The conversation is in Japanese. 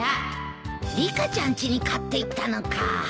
リカちゃんちに買っていったのか。